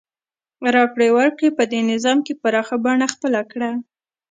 راکړې ورکړې په دې نظام کې پراخه بڼه خپله کړه.